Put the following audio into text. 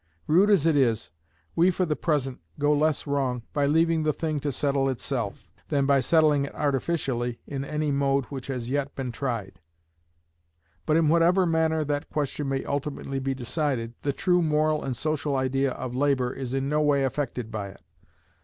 Rude as it is, we for the present go less wrong by leaving the thing to settle itself, than by settling it artificially in any mode which has yet been tried. But in whatever manner that question may ultimately be decided, the true moral and social idea of Labour is in no way affected by it.